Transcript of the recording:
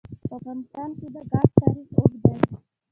په افغانستان کې د ګاز تاریخ اوږد دی.